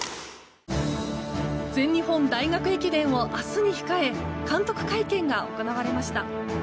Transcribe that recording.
全日本大学駅伝を明日に控え監督会見が行われました。